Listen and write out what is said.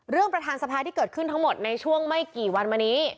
ประธานสภาที่เกิดขึ้นทั้งหมดในช่วงไม่กี่วันมานี้